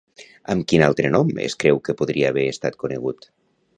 Amb quin altre nom es creu que podria haver estat conegut?